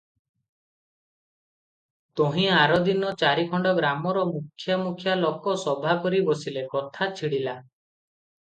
ତହିଁ ଆରଦିନ ଚାରିଖଣ୍ଡ ଗ୍ରାମର ମୁଖ୍ୟା ମୁଖ୍ୟା ଲୋକ ସଭା କରି ବସିଲେ, କଥା ଛିଡ଼ିଲା ।